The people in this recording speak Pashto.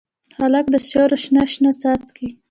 هلک د سیورو شنه، شنه څاڅکي